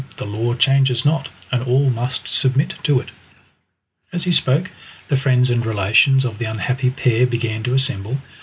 The law changes not, and all must submit to it!" As he spoke the friends and relations of the unhappy pair began to assemble.